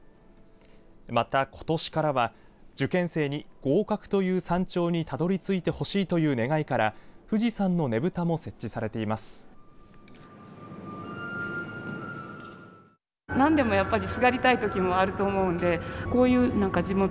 また、ことしからは受験生に合格という山頂にたどり着いてほしいという願いから富士山のねぶたも設置されています。